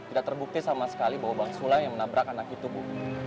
tidak terbukti sama sekali bahwa bang sulam yang menabrak anak itu bu